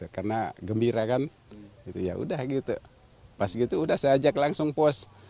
karena gembira kan ya udah gitu pas gitu udah saya ajak langsung pos